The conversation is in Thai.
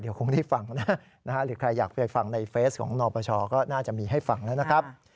เดี๋ยวคงได้ฟังนะหรือใครอยากไปฟังในเฟสของนปชก็น่าจะมีให้ฟังแล้วนะครับ